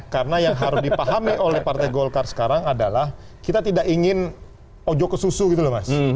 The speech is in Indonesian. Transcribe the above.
karena yang harus dipahami oleh partai golkar sekarang adalah kita tidak ingin ojo ke susu gitu loh mas